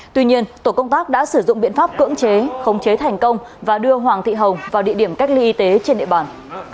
tuy nhiên tổ công tác đã sử dụng biện pháp cưỡng chế khống chế thành công và đưa hoàng thị hồng vào địa điểm cách ly y tế trên địa bàn